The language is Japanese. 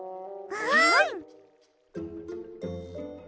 はい！